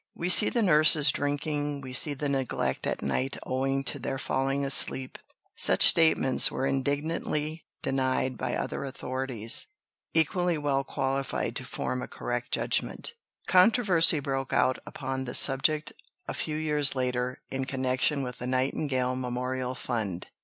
We see the nurses drinking, we see the neglect at night owing to their falling asleep." Such statements were indignantly denied by other authorities, equally well qualified to form a correct judgment. Controversy broke out upon the subject a few years later in connection with the Nightingale Memorial Fund.